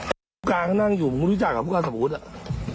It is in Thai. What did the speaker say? ไอ้ฟุตการณ์เขานั่งอยู่มึงรู้จักเหรอฟุตการณ์สมบูรณ์อ่ะ